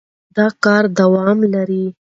دا کار دوام لري.